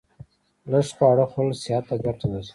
لږ خواړه خوړل صحت ته ګټه لري